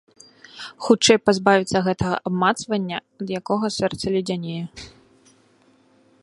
Хутчэй пазбавіцца гэтага абмацвання, ад якога сэрца ледзянее!